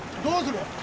どうする？